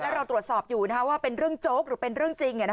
แล้วเราตรวจสอบอยู่ว่าเป็นเรื่องโจ๊กหรือเป็นเรื่องจริง